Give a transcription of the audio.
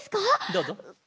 どうぞ。